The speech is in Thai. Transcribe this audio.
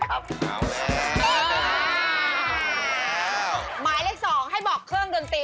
หมายเลข๒ให้บอกเครื่องดนตรี